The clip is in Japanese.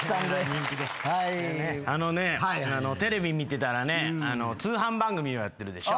あのねテレビ見てたらね通販番組やってるでしょ。